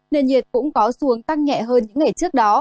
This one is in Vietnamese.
nền nhiệt cũng có xuống tăng nhẹ hơn những ngày trước đó